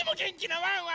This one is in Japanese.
ワンワン！